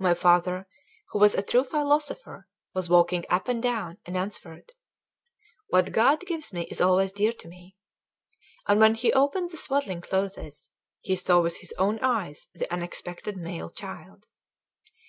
My father, who was a true philosopher, was walking up and down, and answered: "What God gives me is always dear to me;" and when he opened the swaddling clothes, he saw with his own eyes the unexpected male child.